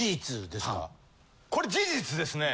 これ事実ですか？